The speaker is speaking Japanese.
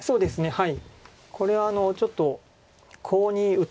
はい。